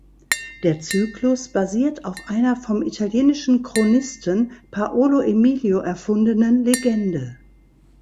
Der Zyklus basiert auf einer vom italienischen Chronisten Paolo Emilio erfundenen Legende.